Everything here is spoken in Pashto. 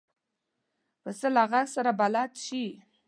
پسه له غږ سره بلد شي.